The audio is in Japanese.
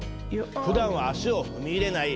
ふだんは足を踏み入れない